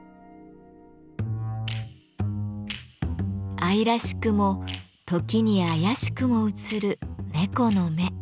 愛らしくも時に妖しくも映る猫の目。